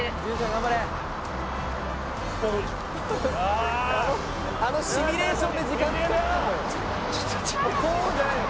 頑張れあのシミュレーションで時間使ってるのよ